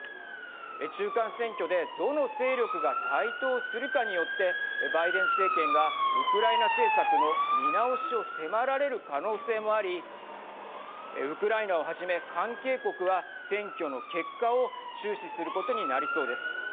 中間選挙でどの勢力が台頭するかによってバイデン政権がウクライナ政策の見直しを迫られる可能性もありウクライナをはじめ、関係国は選挙の結果を注視することになりそうです。